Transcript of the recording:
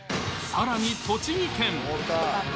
さらに栃木県。